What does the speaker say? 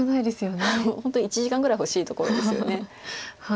本当に１時間ぐらい欲しいところですよね。